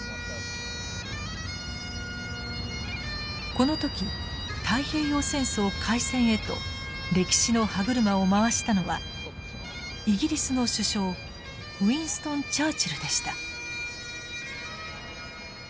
この時太平洋戦争開戦へと歴史の歯車を回したのはイギリスの首相ウィンストン・チャーチルでした。